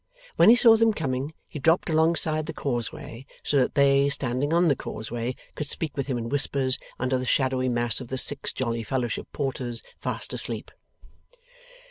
When he saw them coming, he dropped alongside the causeway; so that they, standing on the causeway, could speak with him in whispers, under the shadowy mass of the Six Jolly Fellowship Porters fast asleep.